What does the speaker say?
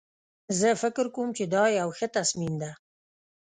زه فکر کوم چې دا یو ښه تصمیم ده